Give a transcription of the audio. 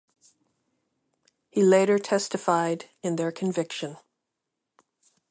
He later testified in their conviction.